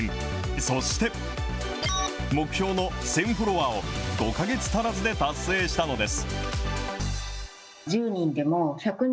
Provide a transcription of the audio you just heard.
そして、目標の１０００フォロワーを５か月足らずで達成したのです。